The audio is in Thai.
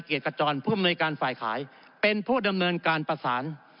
เกียรติกจรภูมิการฝ่ายขายเป็นผู้ดำเนินการประสาน